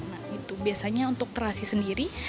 nah itu biasanya untuk terasi sendiri